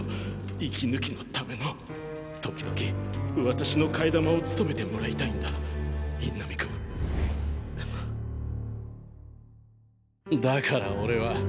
息抜きのための時々私の替え玉を務めてもらいたいんだ印南君だから俺は。